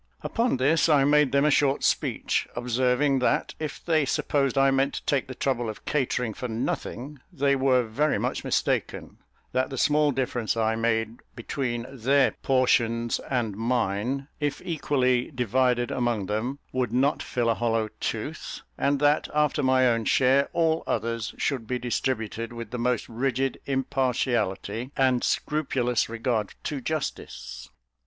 Upon this, I made them a short speech, observing, that if they supposed I meant to take the trouble of catering for nothing, they were very much mistaken; that the small difference I made between their portions and mine, if equally divided among them, would not fill a hollow tooth, and that, after my own share, all others should be distributed with the most rigid impartiality, and scrupulous regard to justice.